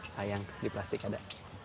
sayang di plastik ada